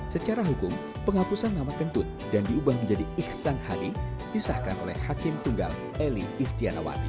secara hukum penghapusan nama kentut dan diubah menjadi ikhsan hadi disahkan oleh hakim tunggal eli istianawati